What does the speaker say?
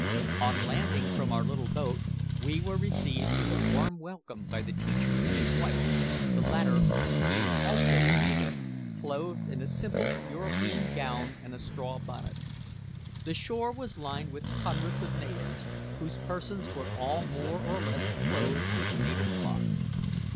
On landing from our little boat we were received with a warm welcome by the teacher and his wife, the latter being also a native, clothed in a simple European gown and a straw bonnet. The shore was lined with hundreds of natives, whose persons were all more or less clothed with native cloth.